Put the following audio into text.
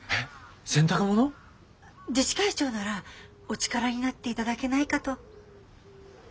自治会長ならお力になって頂けないかと。